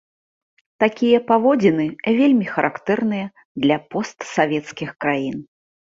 Такія паводзіны вельмі характэрныя для постсавецкіх краін.